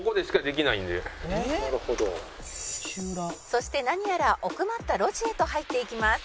「そして何やら奥まった路地へと入っていきます」